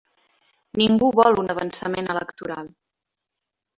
Ningú vol un avançament electoral